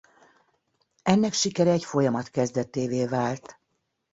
Ennek sikere egy folyamat kezdetévé vált.